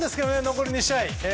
残り２試合。